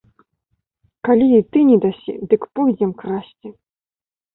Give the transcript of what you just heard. Калі і ты не дасі, дык пойдзем красці.